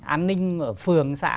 an ninh ở phường xã